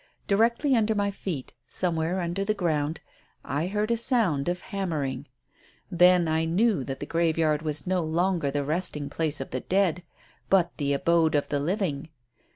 Directly under my feet, somewhere under the ground, I heard a sound of hammering. Then I knew that the graveyard was no longer the resting place of the dead, but the abode of the living.